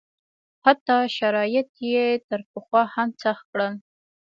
حتی شرایط یې تر پخوا هم سخت کړل.